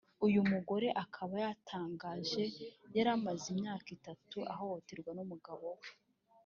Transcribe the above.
Uyu mugore akaba yatangaje yaramaze imyaka itatu ahohoterwa numugabo we